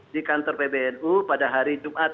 di kantor pbnu pada hari jumat